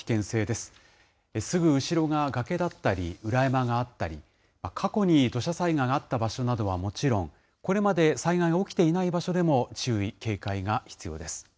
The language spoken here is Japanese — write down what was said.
すぐ後ろが崖だったり、裏山があったり、過去に土砂災害があった場所などはもちろん、これまで災害が起きていない場所でも、注意、警戒が必要です。